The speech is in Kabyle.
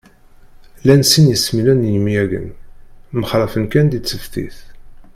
Llan sin n yesmilen n yemyagen, mxallafen kan di tseftit